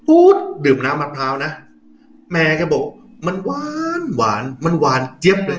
ดื่มน้ำมะพร้าวนะแม่ก็บอกมันหวานหวานมันหวานเจี๊ยบเลย